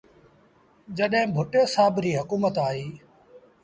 جڏهيݩ ڀُٽي سآب ريٚ هڪومت آئيٚ۔